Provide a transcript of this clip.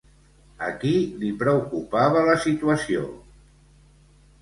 A qui li preocupava la situació?